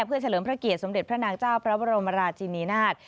เพื่อเฉลิมพระเกียรติสมเด็จพระนางเจ้าพระบรมราชินีนาฏ